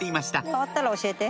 変わったら教えて。